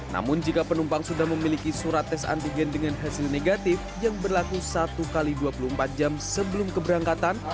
namun jika penumpang sudah memiliki surat tes antigen dengan hasil negatif yang berlaku satu x dua puluh empat jam sebelum keberangkatan